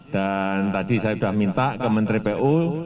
dan tadi saya sudah minta ke menteri pu